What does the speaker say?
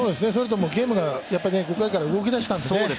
ゲームが５回から動きだしたんでね